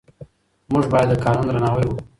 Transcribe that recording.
موږ باید د قانون درناوی وکړو.